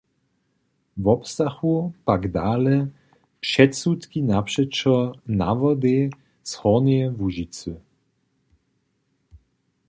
Wobstachu pak dale předsudki napřećo nawodej z Hornjeje Łužicy.